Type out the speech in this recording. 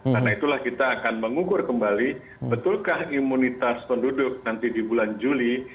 karena itulah kita akan mengukur kembali betulkah imunitas penduduk nanti di bulan juli